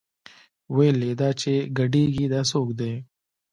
ويې ويل دا چې ګډېګي دا سوک دې.